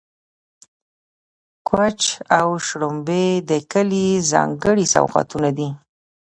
کوچ او شړومبې د کلي ځانګړي سوغاتونه دي.